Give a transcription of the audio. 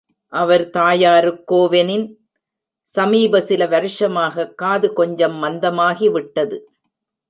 அவர் தாயாருக்கோவெனின், சமீப சில வருஷமாக காது கொஞ்சம் மந்தமாகிவிட்டது.